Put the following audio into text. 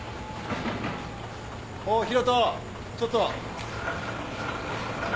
お広翔ちょっと！